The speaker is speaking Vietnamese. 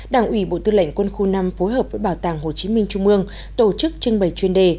đảng ủy bộ tư lệnh quân khu năm phối hợp với bảo tàng hồ chí minh trung ương tổ chức trưng bày chuyên đề